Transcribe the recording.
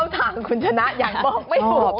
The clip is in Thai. พี่ยังโลร่ง